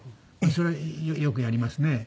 それはよくやりますね。